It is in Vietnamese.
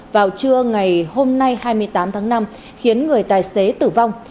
vào trưa ngày hôm nay hai mươi tám tháng năm khiến người tài xế tử vong